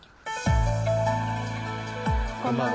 こんばんは。